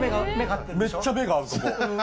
めっちゃ目が合う、ここ。